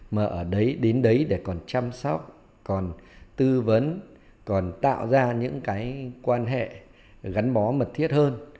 mà ở đấy đến đấy để còn chăm sóc còn tư vấn còn tạo ra những cái quan hệ gắn bó mật thiết hơn